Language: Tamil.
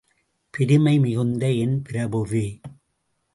பெருமை மிகுந்த என் பிரபுவே!